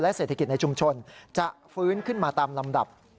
เศรษฐกิจในชุมชนจะฟื้นขึ้นมาตามลำดับ